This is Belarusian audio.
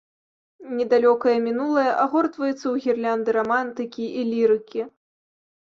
Недалёкае мінулае агортваецца ў гірлянды рамантыкі і лірыкі.